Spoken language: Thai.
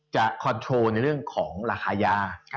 คอนโทรลในเรื่องของราคายา